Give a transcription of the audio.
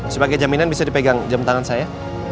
sebagai jaminan bisa dipegang jam tangan saya